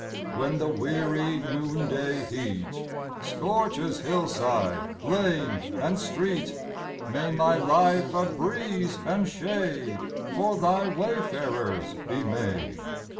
When the weary noonday heat Scorches hillside, lane, and street, May my life a breeze and shade For Thy wayfarers be made